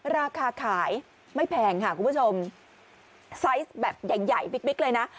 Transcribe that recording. ราคาขายไม่แพงค่ะคุณผู้ชมไซส์แบบใหญ่ใหญ่บิ๊กเลยนะ